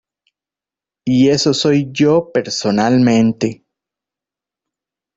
Y eso soy yo personalmente.